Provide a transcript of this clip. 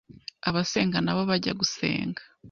abasenga nabo bajya gusenga